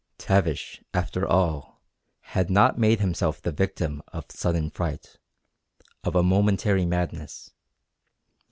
Tavish, after all, had not made himself the victim of sudden fright, of a momentary madness.